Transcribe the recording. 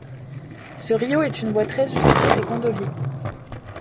Ce rio est une voie très usitée des gondoliers.